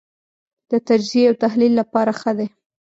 د تجزیې او تحلیل لپاره ښه دی.